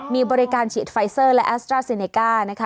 มีบริการฉีดไฟเซอร์และแอสตราเซเนก้านะคะ